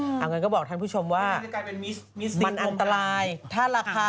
ถ้าอย่างนั้นก็บอกท่านผู้ชมว่ามันก็จะกลายเป็นมิสตินมันอันตราย